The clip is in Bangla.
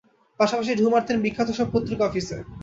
পাশাপাশি ঢুঁ মারতেন বিখ্যাত সব পত্রিকা অফিসে।